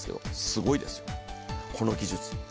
すごいです、この技術。